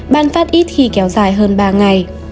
ban phát ít khi kéo dài hơn ba ngày